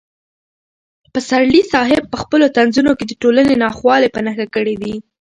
پسرلي صاحب په خپلو طنزونو کې د ټولنې ناخوالې په نښه کړې دي.